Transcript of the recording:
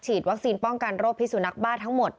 วัคซีนป้องกันโรคพิสุนักบ้าทั้งหมด